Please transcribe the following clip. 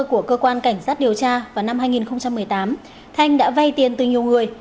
của cơ quan cảnh sát điều tra vào năm hai nghìn một mươi tám thanh đã vay tiền từ nhiều người